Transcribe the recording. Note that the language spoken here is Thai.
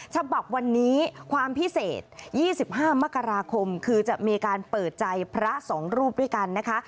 ฉบับวันนี้ความพิเศษ๒๕มกราคมคือจะมีการเปิดใจพระ๒รูปด้วยกันนะคะ